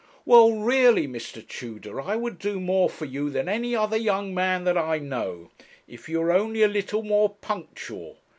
'Well, really, Mr. Tudor, I would do more for you than any other young man that I know, if you were only a little more punctual.